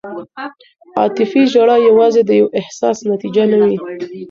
عاطفي ژړا یوازې د یو احساس نتیجه نه وي.